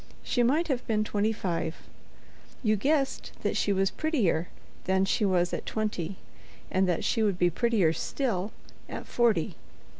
She might have been twenty five; you guessed that she was prettier than she was at twenty, and that she would be prettier still at forty.